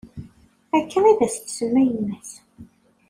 Akka id as-tsemma yemm-as.